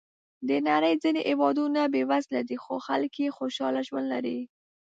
د نړۍ ځینې هېوادونه بېوزله دي، خو خلک یې خوشحاله ژوند لري.